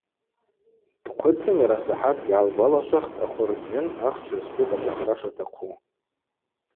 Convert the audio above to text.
Дхъвыцын йарасахӏаткӏ йгӏалгвалашвахтӏ ахвырджьын ахча зту къачӏвахра шатахъу.